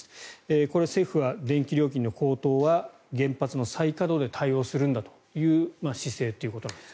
これは政府は電気料金の高騰は原発の再稼働で対応するんだという姿勢ということなんですね。